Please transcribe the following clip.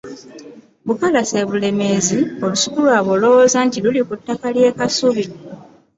Bukalasa e Bulemezi olusuku lwabwe olowooza nti luli ku ttaka ly'e Kasubi.